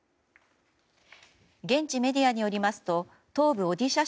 現地メディアによりますと東部オディシャ